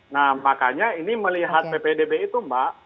nah makanya ini melihat ppdb itu mbak